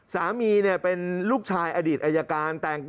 สามีเป็นลูกชายอดีตอายการ